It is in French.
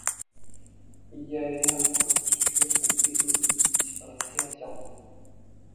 Il y avait là un angle obscur où Éponine disparaissait entièrement.